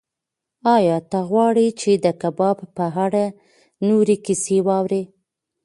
ایا ته غواړې چې د کباب په اړه نورې کیسې واورې؟